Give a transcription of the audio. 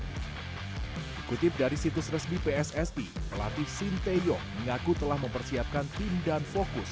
dikutip dari situs resmi pssp pelatih shin tae yong mengaku telah mempersiapkan tim dan fokus